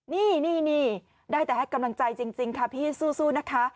นี่ได้แต่ให้กำลังใจจริงค่ะพี่สู้นะคะ